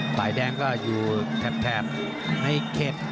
ปลายแดงก็อยู่แถบในเขต